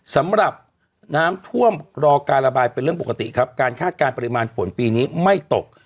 สำหรับน้ำท่วมรอการระบายเป็นเรื่องปกติครับการคาดการณ์ปริมาณฝนปีนี้ไม่ตก